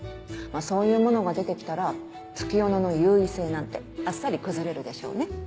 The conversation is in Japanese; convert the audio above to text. そういうものが出てきたら月夜野の優位性なんてあっさり崩れるでしょうね。